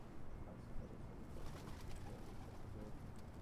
এরপর ধনাঢ্য ব্যবসায়ী টেডি ফর্স্টম্যানের সঙ্গে পদ্ম লক্ষ্মীর প্রণয়ের সম্পর্ক গড়ে ওঠে।